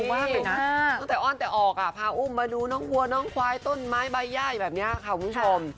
มากเลยนะตั้งแต่อ้อนแต่ออกพาอุ้มมาดูน้องวัวน้องควายต้นไม้ใบย่ายแบบนี้ค่ะคุณผู้ชม